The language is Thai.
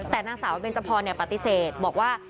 แต่นางสาวเบนจพรปฏิเสธบอกว่า